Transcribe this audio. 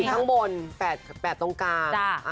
ข้างบน๘ตรงกลาง